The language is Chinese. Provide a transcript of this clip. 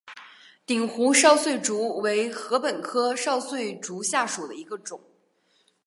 鼎湖少穗竹为禾本科少穗竹属下的一个种。